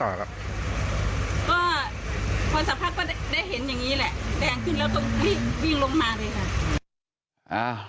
ก็พอสักพักก็ได้เห็นอย่างนี้แหละแดงขึ้นแล้วก็วิ่งลงมาเลยค่ะ